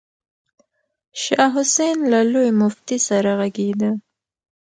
شاه حسين له لوی مفتي سره غږېده.